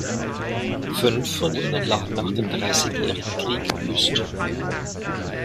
Fünf von ihnen lagen nach dem Dreißigjährigen Krieg wüst.